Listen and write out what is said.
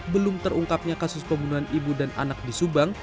belum terungkapnya kasus pembunuhan ibu dan anak di subang